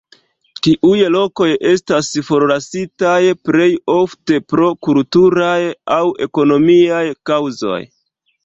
Tiuj lokoj estas forlasitaj plej ofte pro kulturaj aŭ ekonomiaj kaŭzoj.